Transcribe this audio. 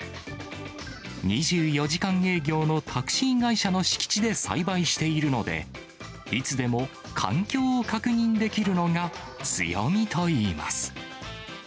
２４時間営業のタクシー会社の敷地で栽培しているので、いつでも環境を確認できるのが強みといいます。